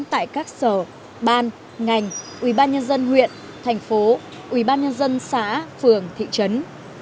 tại các sở ban ngành ubnd huyện thành phố ubnd xã phường thị trấn